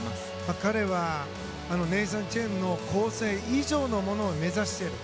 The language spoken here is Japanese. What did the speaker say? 彼はネイサン・チェンの構成以上のものを目指していると。